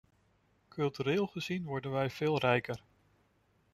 Cultureel gezien worden wij veel rijker.